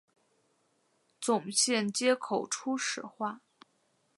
总线接口初始化